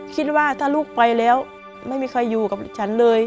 คิดว่าถ้าลูกไปแล้วไม่มีใครอยู่กับฉันเลย